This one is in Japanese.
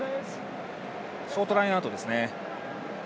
ショートラインアウトですね。